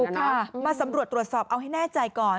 ค่ะมาสำรวจตรวจสอบเอาให้แน่ใจก่อน